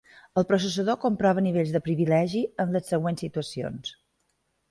El processador comprova nivells de privilegi en les següents situacions.